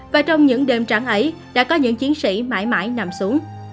và trong những đêm trắng ấy đã có những chiến sĩ mãi mãi nằm xuống